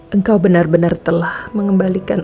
engkau benar benar telah mengembalikan